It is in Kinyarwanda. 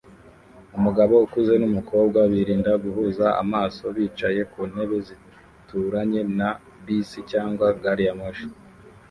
Umugabo ukuze numukobwa birinda guhuza amaso bicaye ku ntebe zituranye na bisi cyangwa gari ya moshi